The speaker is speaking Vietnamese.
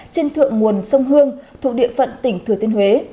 trên thượng nguồn sông hương thụ địa phận tỉnh thừa tiên huế